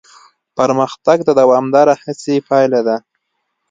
پرمختګ د دوامداره هڅې پایله ده.